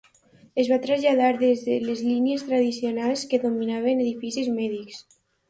Es va traslladar de les línies tradicionals que dominaven edificis mèdics.